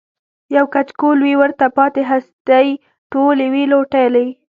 یو کچکول وي ورته پاته هستۍ ټولي وي لوټلي